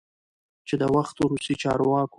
چې د وخت روسی چارواکو،